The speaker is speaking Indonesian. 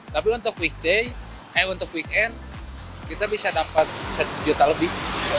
tapi untuk weekend kita bisa dapat rp satu lebih